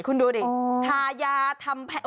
คุณดูดิทายาทำแผล